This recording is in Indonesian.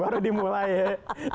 baru dimulai ya